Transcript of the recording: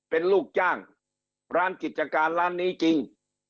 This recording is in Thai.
เป็นลูกจ้างร้านกิจการร้านนี้จริง